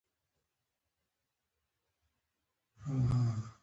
دا جوتېږي چې صنعتي او بانکي پانګه یوځای کېږي